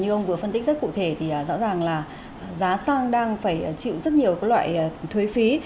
như ông vừa phân tích rất cụ thể thì rõ ràng là giá xăng đang phải chịu rất nhiều loại thuế phí